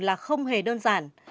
là không hề đơn giản